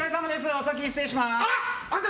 お先に失礼します。